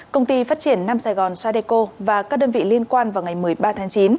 công ty phát triển nam sài gòn sadeco và các đơn vị liên quan vào ngày một mươi ba tháng chín